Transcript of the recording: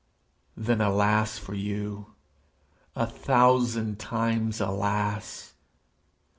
Then alas for you! A thousand times alas!